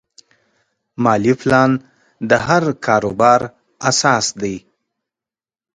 مالي پلان د هر کاروبار اساس دی.